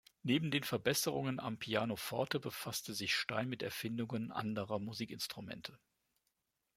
Neben den Verbesserungen am Pianoforte befasste sich Stein mit Erfindungen anderer Musikinstrumente.